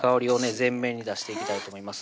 全面に出していきたいと思います